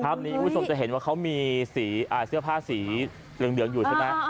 คราวนี้อุยสมจะเห็นว่าเค้ามีเสื้อผ้าสีเหลืองใช่มะ